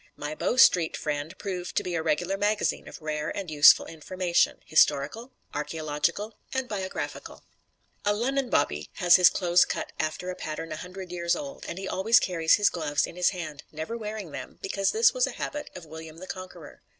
My Bow Street friend proved to be a regular magazine of rare and useful information historical, archeological and biographical. A Lunnun Bobby has his clothes cut after a pattern a hundred years old, and he always carries his gloves in his hand never wearing them because this was a habit of William the Conqueror.